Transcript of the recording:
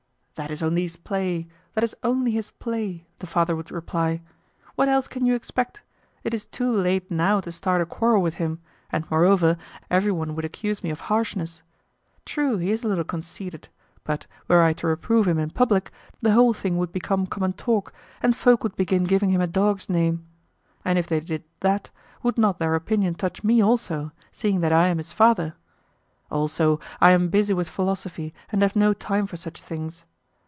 "That is only his play, that is only his play," the father would reply. "What else can you expect? It is too late now to start a quarrel with him, and, moreover, every one would accuse me of harshness. True, he is a little conceited; but, were I to reprove him in public, the whole thing would become common talk, and folk would begin giving him a dog's name. And if they did that, would not their opinion touch me also, seeing that I am his father? Also, I am busy with philosophy, and have no time for such things.